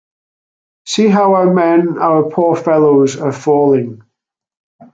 See how our men, our poor fellows, are falling.